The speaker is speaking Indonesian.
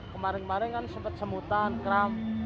kemarin kemarin kan sempat semutan kram